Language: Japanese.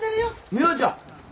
美羽ちゃん！